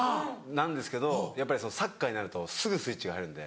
なんですけどやっぱりサッカーになるとすぐスイッチが入るんで。